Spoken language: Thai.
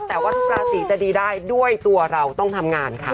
แต่ว่าทุกราศีจะดีได้ด้วยตัวเราต้องทำงานค่ะ